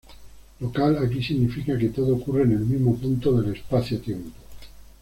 Local aquí significa que todo ocurre en el mismo punto del espacio-tiempo.